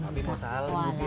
albi mau saling keek